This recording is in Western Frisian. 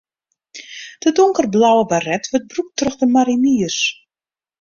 De donkerblauwe baret wurdt brûkt troch de mariniers.